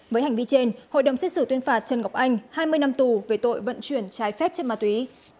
với hành vi trên hội đồng xét xử tuyên phạt trần ngọc anh hai mươi năm tù về tội vận chuyển trái phép chất ma túy